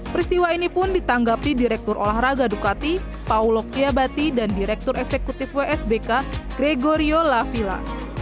peristiwa ini pun ditanggapi direktur olahraga ducati paulo kiyabati dan direktur eksekutif wsbk gregorio la villa